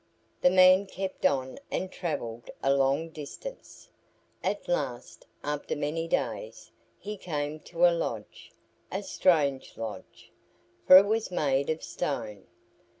The man kept on and travelled a long distance. At last, after many days, he came to a lodge a strange lodge, for it was made of stone.